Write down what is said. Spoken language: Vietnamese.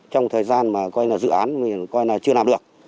trong thời gian mà coi là dự án coi là chưa làm được